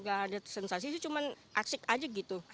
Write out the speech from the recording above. gak ada sensasi sih cuma asik aja gitu